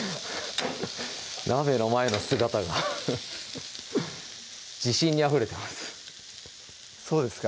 鍋の前の姿が自信にあふれてますそうですか？